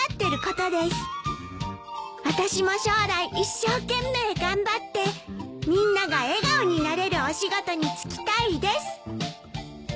「あたしも将来一生懸命頑張ってみんなが笑顔になれるお仕事に就きたいです」